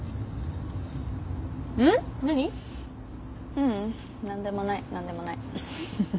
ううん。何でもない何でもない。